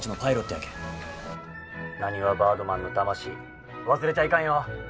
なにわバードマンの魂忘れちゃいかんよ！